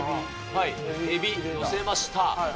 エビ、載せました。